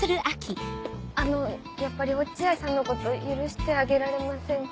あのやっぱり落合さんのこと許してあげられませんか？